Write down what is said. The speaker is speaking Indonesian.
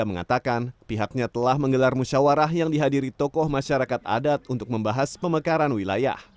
mengatakan pihaknya telah menggelar musyawarah yang dihadiri tokoh masyarakat adat untuk membahas pemekaran wilayah